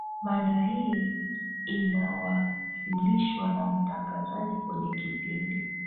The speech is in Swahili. mada hii inawasilishwa na mtangazaji kwenye kipindi